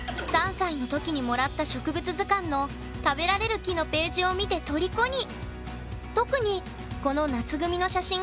３歳の時にもらった植物図鑑の食べられる木のページを見てとりこに。